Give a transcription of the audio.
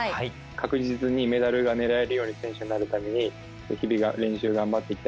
確実にメダルが狙えるように選手になるために日々練習頑張っていきたいと思います。